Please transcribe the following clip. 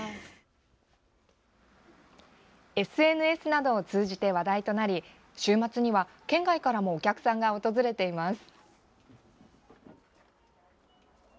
ＳＮＳなどを通じて話題となり週末には県外からもお客さんが訪れています。